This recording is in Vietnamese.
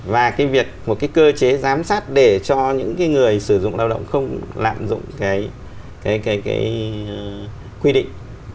và cái việc một cái cơ chế giám sát để cho những cái người sử dụng lao động không lạm dụng cái quy định